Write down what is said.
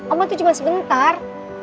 oma itu cuma sebentar